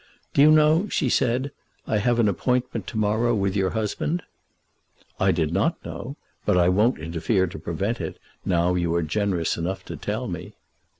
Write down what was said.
"Do you know," she said, "I have an appointment to morrow with your husband?" "I did not know; but I won't interfere to prevent it, now you are generous enough to tell me."